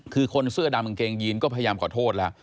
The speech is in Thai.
คือคนเสื้อดำกางเกงยีนก็พยายามขอโทษแล้ว